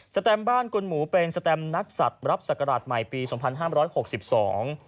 แตมบ้านกุลหมูเป็นสแตมนักสัตว์รับศักราชใหม่ปีสองพันห้ามร้อยหกสิบสอง